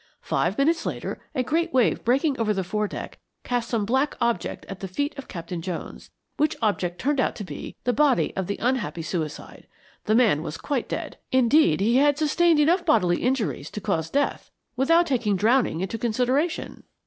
Five minutes later a great wave breaking over the foredeck cast some black object at the feet of Captain Jones, which object turned out to be the body of the unhappy suicide. The man was quite dead; indeed, he had sustained enough bodily injuries to cause death, without taking drowning into consideration.